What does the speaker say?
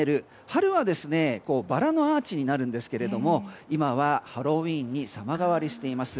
春は、バラのアーチになるんですけども今はハロウィーンに様変わりしています。